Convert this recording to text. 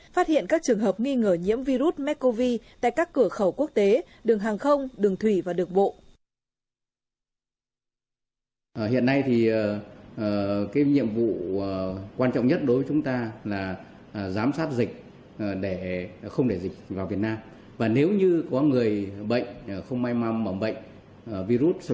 phát hiện các trường hợp nghi ngờ nhiễm virus mers cov tại các cửa khẩu quốc tế đường hàng không đường thủy và đường bộ